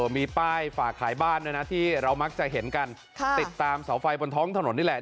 มีป้ายฝากขายบ้านด้วยนะที่เรามักจะเห็นกันติดตามเสาไฟบนท้องถนนนี่แหละ